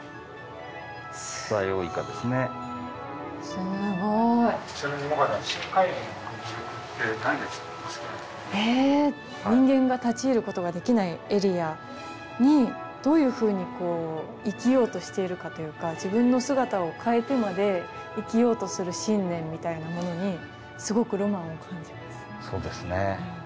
ちなみに萌歌さんえ人間が立ち入ることができないエリアにどういうふうに生きようとしているかというか自分の姿を変えてまで生きようとする信念みたいなものにそうですね。